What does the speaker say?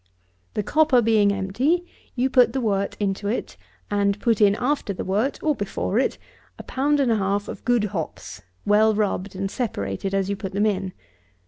46. The copper being empty, you put the wort into it, and put in after the wort, or before it, a pound and a half of good hops, well rubbed and separated as you put them in.